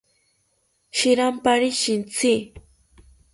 Shirampari shitzi